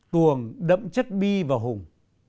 tuồng đậm chất bi và hùng